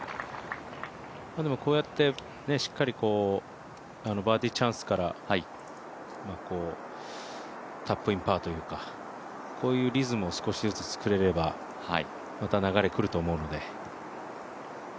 こうやってしっかりバーディーチャンスからタップインパーというか、こういうリズムを少しずつ作れればまた流れが来ると思うので。